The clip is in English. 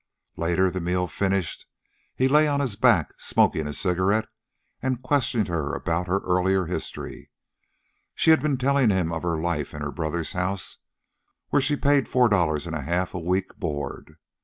Later, the meal finished, he lay on his back, smoking a cigarette, and questioned her about her earlier history. She had been telling him of her life in her brother's house, where she paid four dollars and a half a week board.